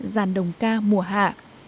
giàn đồng ca mùa hạ